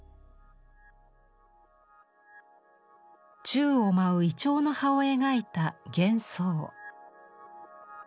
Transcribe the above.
宙を舞うイチョウの葉を描いた「幻想」。